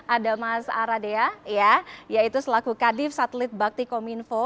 ada mas aradea yaitu selaku kadif satelit bakti kominfo